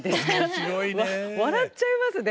笑っちゃいますね。